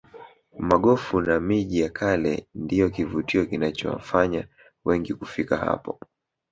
magofu na miji ya kale ndiyo kivutio kinachowafanya wengi kufika hapo